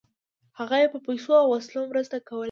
هغه یې په پیسو او وسلو مرسته کوله.